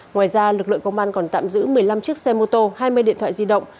ngoài ra lực lượng công an còn tạm giữ một mươi năm chiếc xe mô tô hai mươi điện thoại di động